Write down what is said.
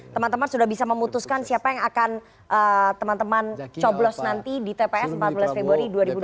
teman teman sudah bisa memutuskan siapa yang akan teman teman coblos nanti di tps empat belas februari dua ribu dua puluh